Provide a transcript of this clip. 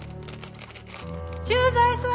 駐在さん！